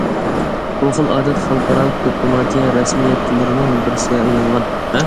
بۇ خىل ئادەت خەلقئارالىق دىپلوماتىيە رەسمىيەتلىرىنىڭ بىرسىگە ئايلانغان.